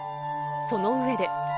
その上で。